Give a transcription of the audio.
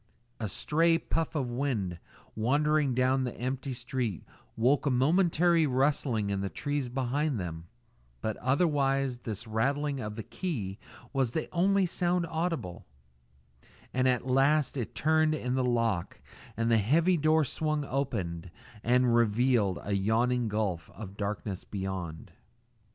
A stray puff of wind wandering down the empty street woke a momentary rustling in the trees behind them, but otherwise this rattling of the key was the only sound audible; and at last it turned in the lock and the heavy door swung open and revealed a yawning gulf of darkness beyond.